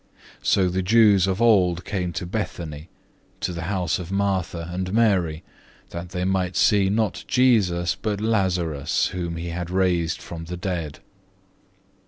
So the Jews of old came to Bethany, to the house of Martha and Mary, that they might see not Jesus, but Lazarus, whom he had raised from the dead.